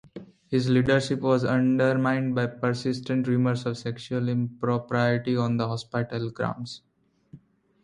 His leadership was undermined by persistent rumours of sexual impropriety on the hospital grounds.